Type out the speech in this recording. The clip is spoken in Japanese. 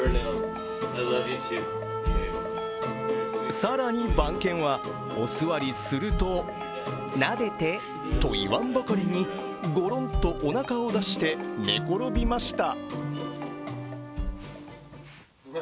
更に番犬は、お座りするとなでてといわんばかりにごろんとおなかを出して寝転びました。